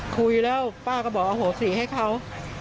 คุยแล้วป้าก็บอกอโหสิให้เขา